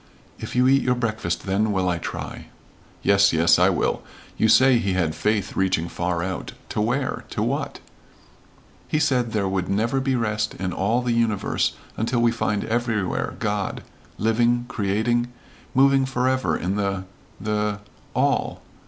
"If you eat your breakfast, then will I try." "Yes, yes, I will. You say he had faith reaching far out to where to what?" "He said there would never be rest in all the universe until we find everywhere God, living creating moving forever in the the all."